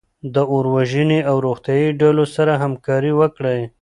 د اور وژنې او روغتیایي ډلو سره همکاري وکړئ.